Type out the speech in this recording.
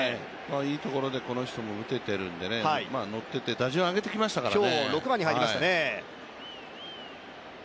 いいところでこの人も打ててるんでのっていて、打順上げてきましたからね。